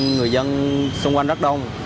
người dân xung quanh rất đông